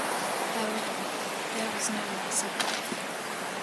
However, there was no loss of life.